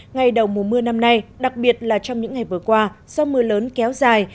ngày đầu mùa mưa năm nay đặc biệt là trong những ngày vừa qua do mưa lớn kéo dài